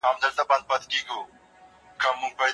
څوک بايد د کتابونو د چاپ لګښت ورکړي؟